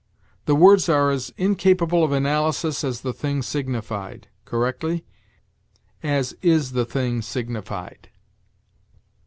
"The words are as incapable of analysis as the thing signified": correctly, "as is the thing signified."